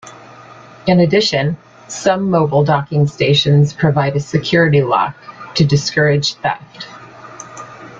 In addition, some mobile docking-stations provide a security-lock to discourage theft.